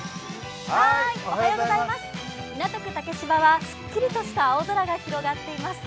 港区竹芝は、すっきりとした青空が広がっています。